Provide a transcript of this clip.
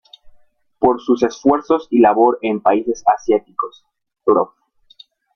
Por sus esfuerzos y labor en países asiáticos, Prof.